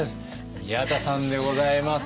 宮田さんでございます。